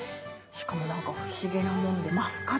しかも何か不思議なもんで。